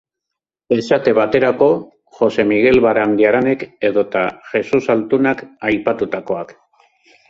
Esate baterako, Jose Migel Barandiaranek edota Jesus Altunak aipatutakoak.